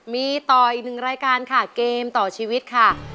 มีต่ออีก๑รายการครับแกมต่อชีวิตค่ะ